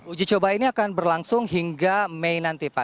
uji coba ini akan berlangsung hingga mei nanti pak